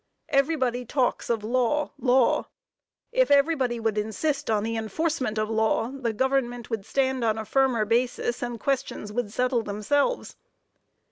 Everybody talks of law, law. If everybody would insist on the enforcement of law, the government would stand on a firmer basis, and questions would settle themselves."